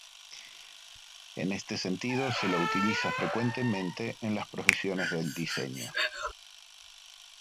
En este sentido se la utiliza frecuentemente en las profesiones del diseño.